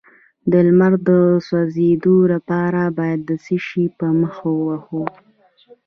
د لمر د سوځیدو لپاره باید څه شی په مخ ووهم؟